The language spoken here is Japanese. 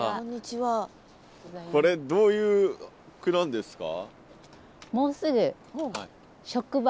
これどういう句なんですか？